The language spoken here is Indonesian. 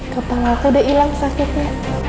kepala aku udah ilang sakitnya